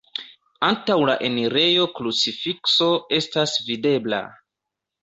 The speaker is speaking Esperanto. Antaŭ la enirejo krucifikso estas videbla.